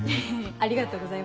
ありがとうございます。